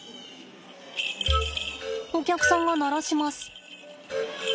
お客さんが鳴らします。